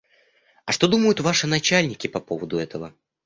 А что думают ваши начальники по поводу этого?